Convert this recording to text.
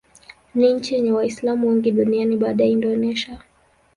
Ni nchi yenye Waislamu wengi duniani baada ya Indonesia.